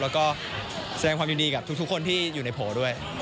แล้วก็แสดงความยินดีกับทุกคนที่อยู่ในโผล่ด้วย